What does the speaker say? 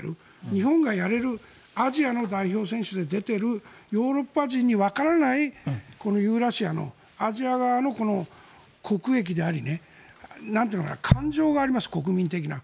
日本がやれるアジアの代表選手出てているヨーロッパ人にわからないユーラシアのアジア側の国益であり感情があります、国民的な。